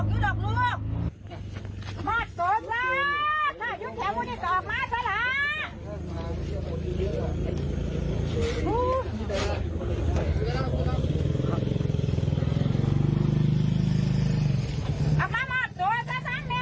ก็ให้คุณแม่มาช่วยพระดุงศิลป์ไปว่าลูกคุณค่อยออกมา